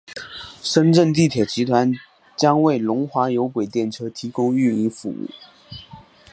深圳地铁集团将为龙华有轨电车提供运营服务。